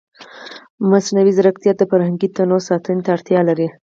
مصنوعي ځیرکتیا د فرهنګي تنوع ساتنې ته اړتیا لري.